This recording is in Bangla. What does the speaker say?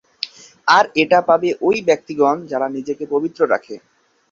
আর এটা পাবে ঐ ব্যক্তিগণ যারা নিজেকে পবিত্র রাখে।